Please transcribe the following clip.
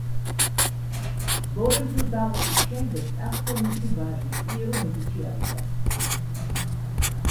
ლორენცოს დაღუპვის შემდეგ, ტახტზე მისი ვაჟი პიერო მედიჩი ავიდა.